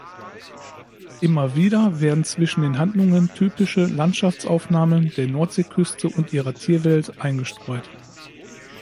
Immer wieder werden zwischen den Handlungen typische Landschaftsaufnahmen der Nordseeküste und ihrer Tierwelt eingestreut.